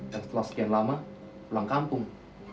dan setelah sekian lama pulang kampung